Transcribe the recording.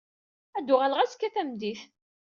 Ad d-uɣaleɣ azekka tameddit.